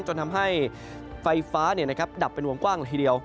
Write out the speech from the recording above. จนทำให้ไฟฟ้าดับเป็นวงกว้างละทีเดียว